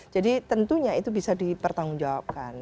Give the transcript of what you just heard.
jadi tentunya itu bisa dipertanggung jawabkan